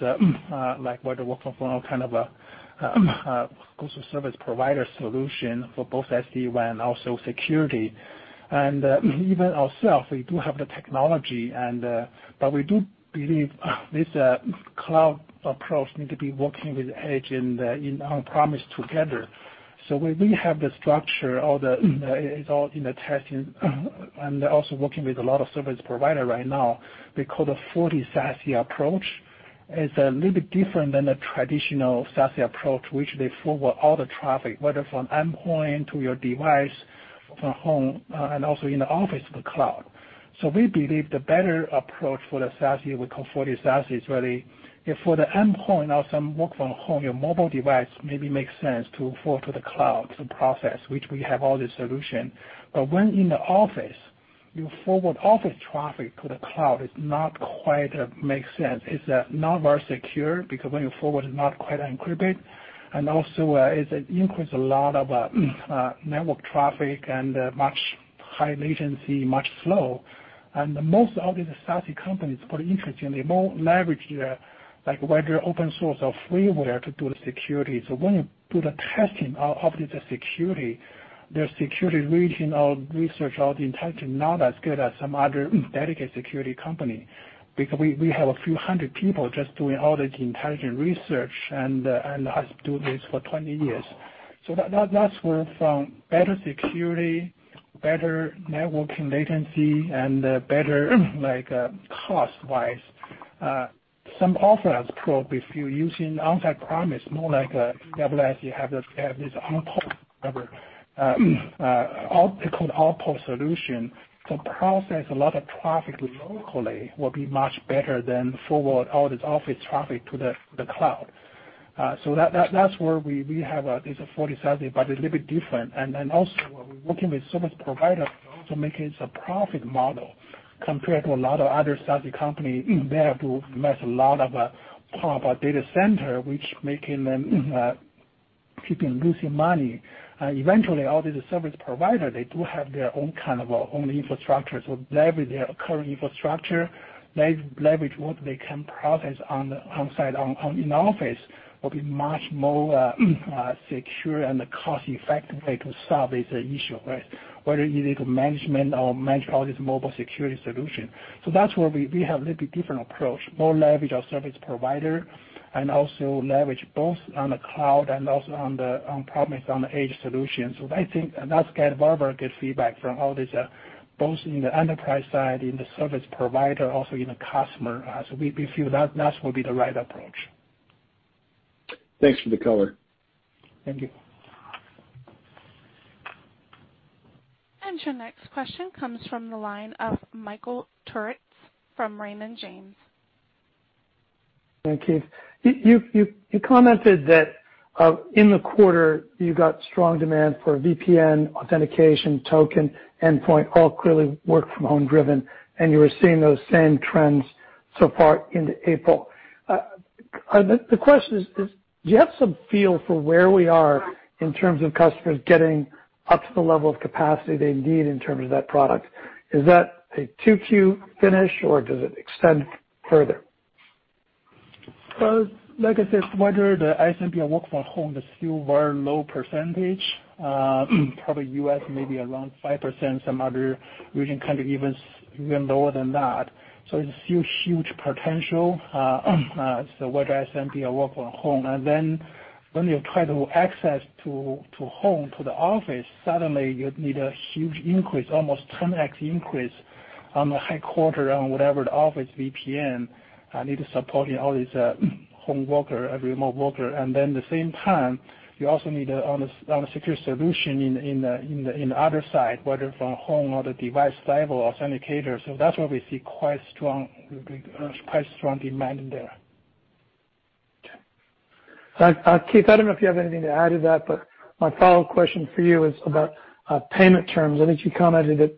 like where the work from home kind of a closer service provider solution for both SD-WAN, also security. Even ourself, we do have the technology, but we do believe this cloud approach need to be working with Edge and on-premise together. We have the structure, It's all in the testing and also working with a lot of service provider right now. We call the FortiSASE approach. It's a little bit different than a traditional SASE approach, which they forward all the traffic, whether from endpoint to your device, from home, and also in the office to the cloud. We believe the better approach for the SASE, we call FortiSASE, is really for the endpoint of some work from home, your mobile device maybe makes sense to forward to the cloud to process, which we have all this solution. When in the office, you forward office traffic to the cloud, it not quite makes sense. It's not very secure because when you forward, it's not quite encrypted, and also, it increase a lot of network traffic and much high latency, much slow. Most of the SASE companies, quite interestingly, more leverage their, like whether open source or freeware to do the security. When you do the testing of the security, their security regional research or the intelligence, not as good as some other dedicated security company, because we have a few hundred people just doing all the intelligence research and has do this for 20 years. Some offer as pro, if you're using on-site premise, more like a AWS have this on-premise network, they call it Outpost solution. To process a lot of traffic locally will be much better than forward all this office traffic to the cloud. That's where we have this FortiSASE, but a little bit different. Also, we're working with service provider to also make it as a profit model compared to a lot of other SASE company, they have to invest a lot of proper data center, which making them keep losing money. Eventually, all these service provider, they do have their own kind of infrastructure. Leverage their current infrastructure, leverage what they can process on-site, in the office, will be much more secure and a cost-effective way to solve this issue, right? Whether you need to manage all this mobile security solution. That's where we have little bit different approach. More leverage our service provider and also leverage both on the cloud and also on-premise, on the edge solution. I think that's got very good feedback from all these, both in the enterprise side, in the service provider, also in the customer. We feel that will be the right approach. Thanks for the color. Thank you. Your next question comes from the line of Michael Turits from Raymond James. Thanks, Keith. You commented that in the quarter you got strong demand for VPN, authentication, token, endpoint, all clearly work from home driven, and you were seeing those same trends so far into April. The question is, do you have some feel for where we are in terms of customers getting up to the level of capacity they need in terms of that product? Is that a 2Q finish or does it extend further? Like I said, whether the SMB or work from home is still very low percentage, probably U.S. maybe around 5%, some other region even lower than that. It's still huge potential. Whether SMB or work from home. When you try to access to home to the office, suddenly you need a huge increase, almost 10x increase on the headquarter on whatever the office VPN need to support all these home worker, every remote worker. The same time, you also need on a secure solution in the other side, whether from home or the device level authenticator. That's why we see quite strong demand there. Okay. Keith, I don't know if you have anything to add to that, but my follow-up question for you is about payment terms. I think you commented that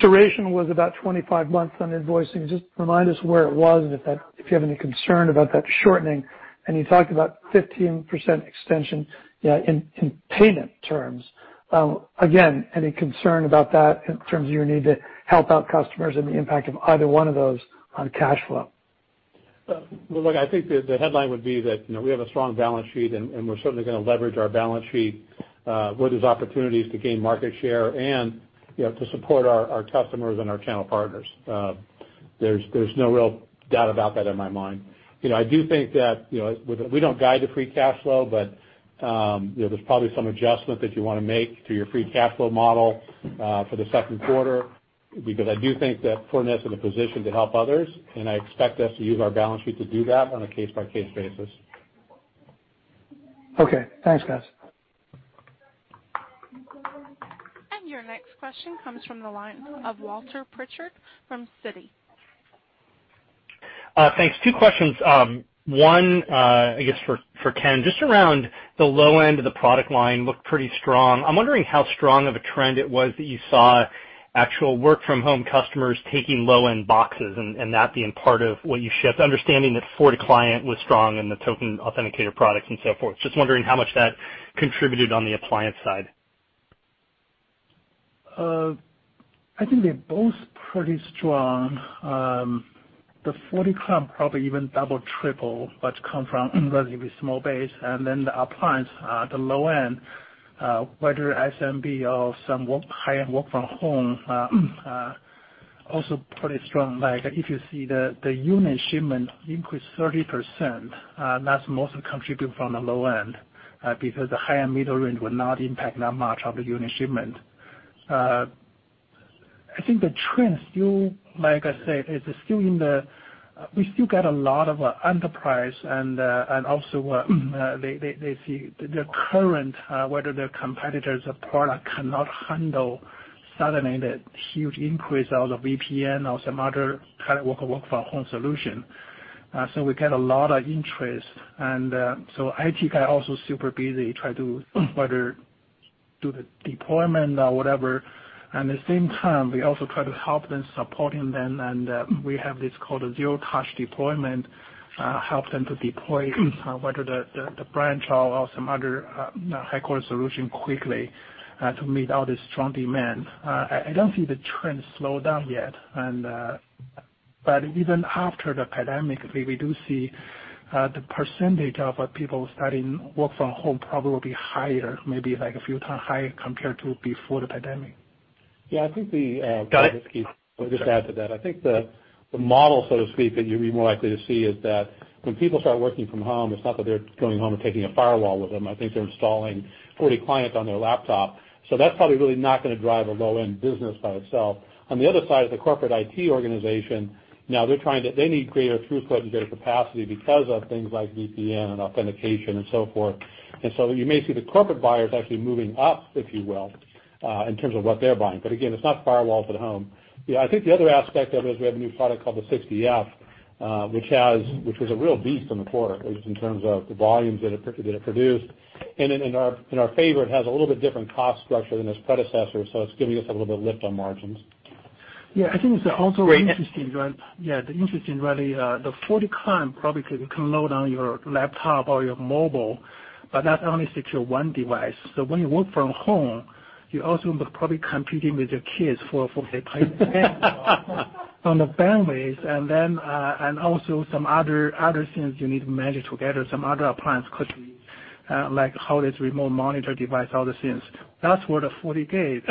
duration was about 25 months on invoicing. Just remind us where it was, and if you have any concern about that shortening. You talked about 15% extension, yeah, in payment terms. Again, any concern about that in terms of your need to help out customers and the impact of either one of those on cash flow? Look, I think the headline would be that we have a strong balance sheet, and we're certainly going to leverage our balance sheet, where there's opportunities to gain market share and to support our customers and our channel partners. There's no real doubt about that in my mind. We don't guide the free cash flow, but there's probably some adjustment that you want to make to your free cash flow model for the second quarter, because I do think that Fortinet's in a position to help others, and I expect us to use our balance sheet to do that on a case-by-case basis. Okay. Thanks, guys. Your next question comes from the line of Walter Pritchard from Citi. Thanks. Two questions. One, I guess for Ken, just around the low end of the product line looked pretty strong. I'm wondering how strong of a trend it was that you saw actual work from home customers taking low-end boxes and that being part of what you shipped, understanding that FortiClient was strong and the token authenticator products and so forth. Just wondering how much that contributed on the appliance side. I think they're both pretty strong. The FortiClient probably even double, triple, but come from relatively small base. The appliance, the low end, whether SMB or some high-end work from home, also pretty strong. If you see the unit shipment increased 30%, that's mostly contributed from the low end, because the high and middle range will not impact that much of the unit shipment. I think the trend still, like I said, we still get a lot of enterprise and also, they see the current, whether their competitor's product cannot handle suddenly the huge increase of the VPN or some other kind of work from home solution. We get a lot of interest. IT guy also super busy try to do the deployment or whatever. At the same time, we also try to help them, supporting them, and we have this called a zero touch deployment, help them to deploy, whether the branch or some other headquarter solution quickly, to meet all this strong demand. I don't see the trend slow down yet. Even after the pandemic, we do see the percentage of people starting work from home probably will be higher, maybe like a few times higher compared to before the pandemic. Yeah, I think the- Got it. I'll just add to that. I think the model, so to speak, that you'd be more likely to see is that when people start working from home, it's not that they're going home and taking a firewall with them. I think they're installing FortiClient on their laptop. That's probably really not going to drive a low-end business by itself. On the other side is the corporate IT organization. Now, they need greater throughput and greater capacity because of things like VPN and authentication and so forth. You may see the corporate buyers actually moving up, if you will, in terms of what they're buying. Again, it's not firewalls at home. I think the other aspect of it is we have a new product called the 60F, which was a real beast in the quarter, at least in terms of the volumes that it produced. In our favor, it has a little bit different cost structure than its predecessor, so it's giving us a little bit of lift on margins. I think it's also interesting, right? Interesting, really. The FortiClient probably can load on your laptop or your mobile, but that only secure one device. When you work from home, you also probably competing with your kids for the pipe and the bandwidth, and also some other things you need to manage together, some other plans could be, like how this remote monitor device, all the things. That's where the FortiGate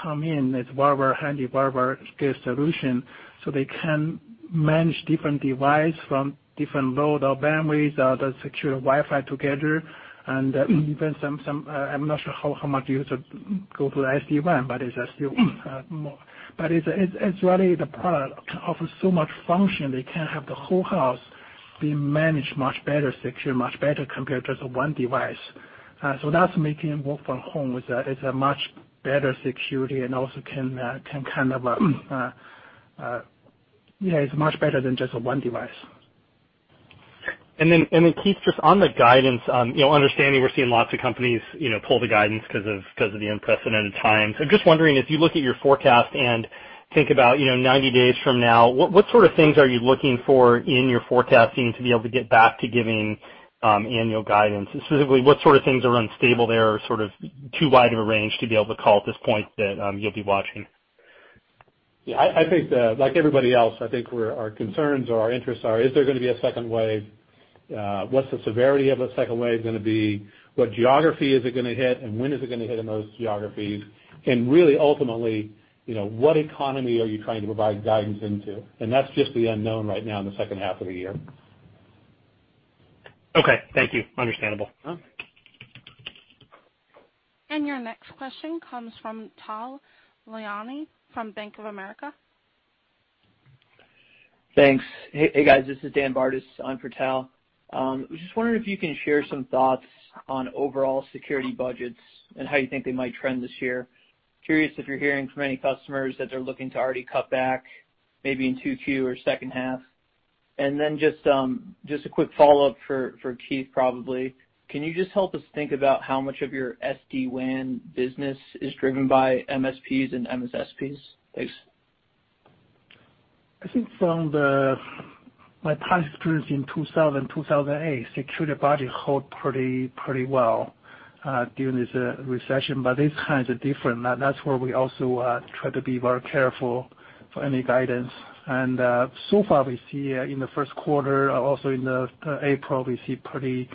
come in as wherever handy, wherever give solution, so they can manage different device from different load or bandwidths, or they secure Wi-Fi together, and even some I'm not sure how much user go to the SD-WAN, but it's still more. It's really the product can offer so much function. They can have the whole house be managed much better, secure much better compared to the one device. That's making work from home with a much better security and also It's much better than just one device. Then, Keith, just on the guidance, understanding we're seeing lots of companies pull the guidance because of the unprecedented times. I'm just wondering, if you look at your forecast and think about 90 days from now, what sort of things are you looking for in your forecasting to be able to get back to giving annual guidance? Specifically, what sort of things are unstable there or sort of too wide of a range to be able to call at this point that you'll be watching? Yeah, I think, like everybody else, I think our concerns or our interests are, is there going to be a second wave? What's the severity of a second wave going to be? What geography is it going to hit, and when is it going to hit in those geographies? Really, ultimately, what economy are you trying to provide guidance into? That's just the unknown right now in the second half of the year. Okay. Thank you. Understandable. Your next question comes from Tal Liani from Bank of America. Thanks. Hey, guys, this is John Bardis in for Tal. Just wondering if you can share some thoughts on overall security budgets and how you think they might trend this year. Curious if you're hearing from any customers that they're looking to already cut back, maybe in 2Q or second half. Just a quick follow-up for Keith, probably. Can you just help us think about how much of your SD-WAN business is driven by MSPs and MSSPs? Thanks. I think from my past experience in 2000, 2008, security budget hold pretty well during this recession. This time is different. That's where we also try to be very careful for any guidance. So far, we see in the first quarter, also in April, we see pretty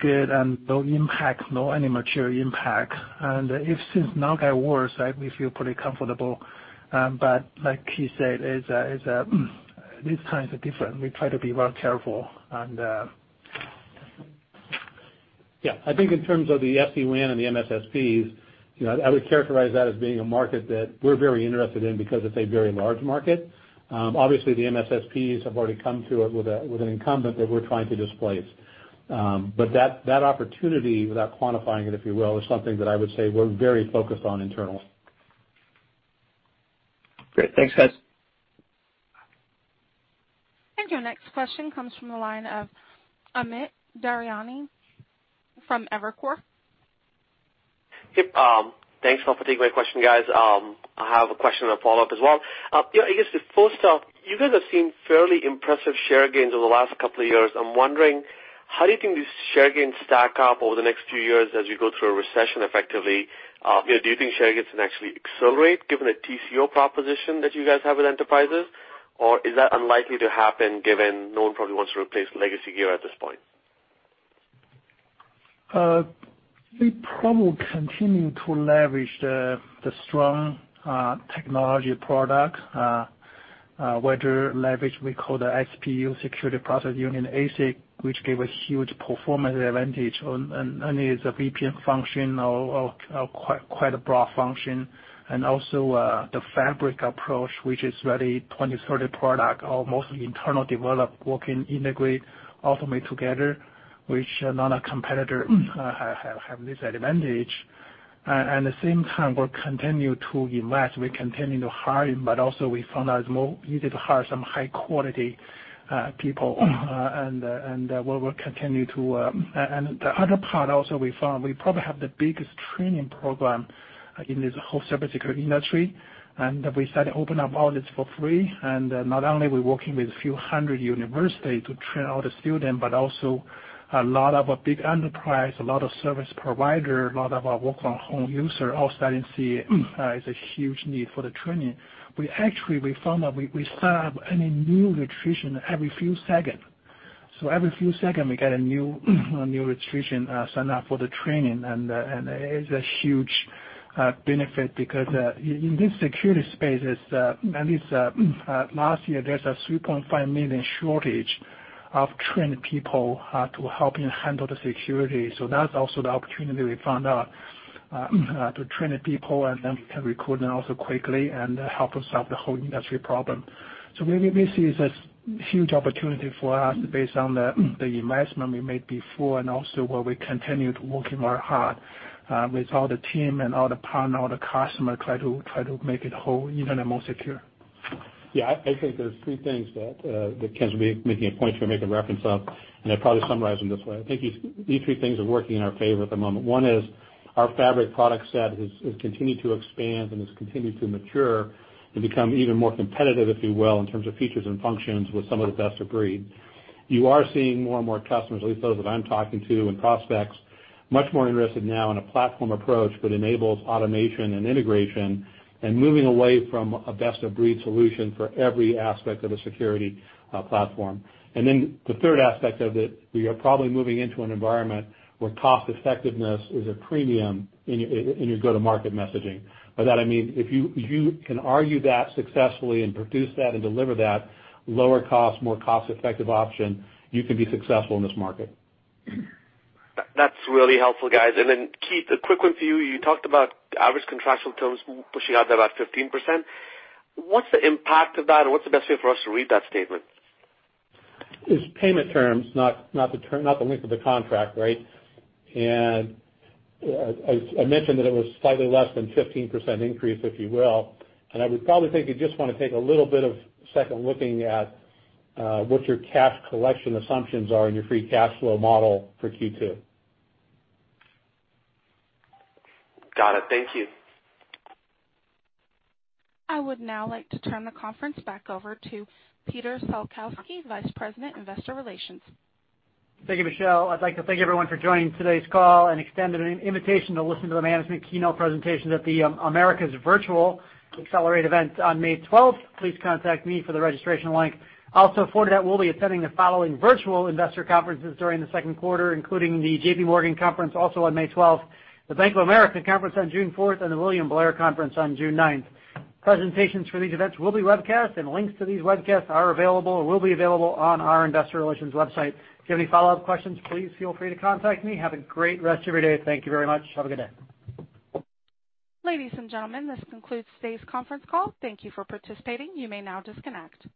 good and no impact, no any material impact. If things not get worse, we feel pretty comfortable. Like Keith said, these times are different. I think in terms of the SD-WAN and the MSSPs, I would characterize that as being a market that we're very interested in because it's a very large market. Obviously, the MSSPs have already come to it with an incumbent that we're trying to displace. But that opportunity, without quantifying it, if you will, is something that I would say we're very focused on internal. Great. Thanks, guys. Your next question comes from the line of Amit Daryanani from Evercore. Hey, thanks for taking my question, guys. I have a question and a follow-up as well. I guess, first off, you guys have seen fairly impressive share gains over the last couple of years. I'm wondering, how do you think these share gains stack up over the next few years as you go through a recession effectively? Do you think share gains can actually accelerate given the TCO proposition that you guys have with enterprises, or is that unlikely to happen given no one probably wants to replace legacy gear at this point? We probably continue to leverage the strong technology product, whether leverage we call the SPU, security process unit, ASIC, which gave a huge performance advantage on its VPN function or quite a broad function. Also, the fabric approach, which is really 2030 product, or mostly internal develop, working, integrate, automate together, which none of competitor have this advantage. At the same time, we're continue to invest, we're continuing to hire, but also we found out it's more easy to hire some high-quality people. The other part also we found, we probably have the biggest training program in this whole service security industry. We decided open up all this for free, and not only we working with few hundred university to train all the student, but also a lot of a big enterprise, a lot of service provider, lot of our work from home user all starting to see it's a huge need for the training. We actually found that we set up a new registration every few second. Every few second, we get a new registration sign up for the training, and it is a huge benefit because in this security space, at least last year, there's a 3.5 million shortage of trained people to help handle the security. That's also the opportunity we found out to train the people, and then we can recruit them also quickly and help us solve the whole industry problem. We see it as huge opportunity for us based on the investment we made before and also where we continue to work very hard with all the team and all the partner, all the customer try to make it whole even more secure. Yeah, I think there's three things that Ken's been making a point to make a reference of. I'd probably summarize them this way. I think these three things are working in our favor at the moment. One is our fabric product set has continued to expand and has continued to mature and become even more competitive, if you will, in terms of features and functions with some of the best of breed. You are seeing more and more customers, at least those that I'm talking to, and prospects, much more interested now in a platform approach that enables automation and integration and moving away from a best-of-breed solution for every aspect of a security platform. The third aspect of it, we are probably moving into an environment where cost effectiveness is a premium in your go-to-market messaging. By that I mean, if you can argue that successfully and produce that and deliver that lower cost, more cost-effective option, you can be successful in this market. That's really helpful, guys. Keith, a quick one for you. You talked about average contractual terms pushing out to about 15%. What's the impact of that, and what's the best way for us to read that statement? It's payment terms, not the length of the contract, right? I mentioned that it was slightly less than 15% increase, if you will, and I would probably think you just want to take a little bit of a second looking at what your cash collection assumptions are in your free cash flow model for Q2. Got it. Thank you. I would now like to turn the conference back over to Peter Salkowski, Vice President, Investor Relations. Thank you, Michelle. I'd like to thank everyone for joining today's call and extend an invitation to listen to the management keynote presentation at the Americas Virtual Accelerate event on May 12th. Please contact me for the registration link. Also, Fortinet will be attending the following virtual investor conferences during the second quarter, including the JP Morgan conference also on May 12th, the Bank of America conference on June 4th, and the William Blair conference on June 9th. Presentations for these events will be webcast, and links to these webcasts are available or will be available on our investor relations website. If you have any follow-up questions, please feel free to contact me. Have a great rest of your day. Thank you very much. Have a good day. Ladies and gentlemen, this concludes today's conference call. Thank you for participating. You may now disconnect.